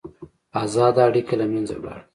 ازاده اړیکه له منځه ولاړه.